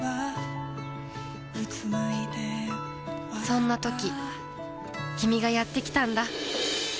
そんなときキミがやってきたんだ